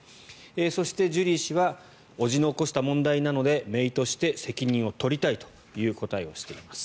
そしてジュリー氏は叔父の起こした問題なのでめいとして責任を取りたいという答えをしています。